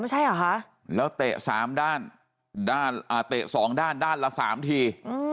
อ๋อโร่ไม่ใช่เหรอคะแล้วเตะสามด้านเอ่อเตะสองด้านด้านละสามที